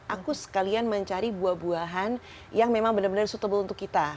aku sekalian mencari buah buahan yang memang bener bener suitable untuk kita